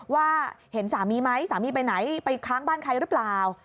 ว่าเห็นสามีไหมสามีไปไหนไปค้างบ้านใครหรือเปล่า